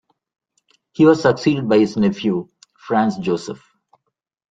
He was succeeded by his nephew, Franz Joseph.